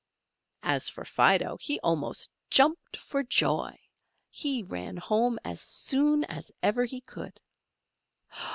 As for Fido, he almost jumped for joy; he ran home as soon as ever he could.